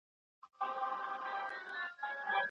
له سر تر نوکه بس ګلدسته یې